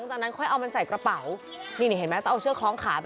ดูพร้อมมากเลยครับ